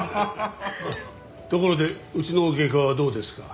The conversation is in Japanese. ところでうちの外科はどうですか？